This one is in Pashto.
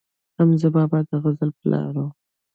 حمزه بابا د غزل پلار و